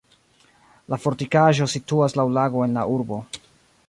La fortikaĵo situas laŭ lago en la urbo.